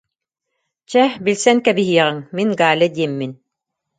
Чэ, билсэн кэбиһиэҕиҥ, мин Галя диэммин